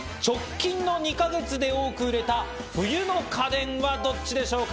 直近の２か月で多く売れた冬の家電はどっちでしょうか？